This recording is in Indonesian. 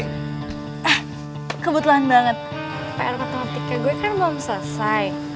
ah kebetulan banget pr matematika gue kan belum selesai